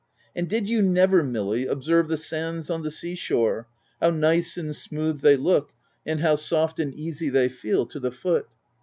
And did you never, Milly, observe the sands on the sea shore ; how nice and smooth they look, and how soft and easy they feel to the foot